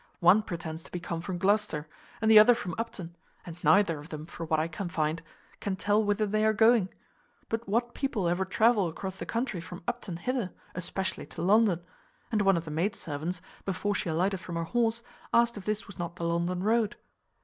One pretends to be come from Gloucester, and the other from Upton; and neither of them, for what I can find, can tell whither they are going. But what people ever travel across the country from Upton hither, especially to London? And one of the maid servants, before she alighted from her horse, asked if this was not the London road?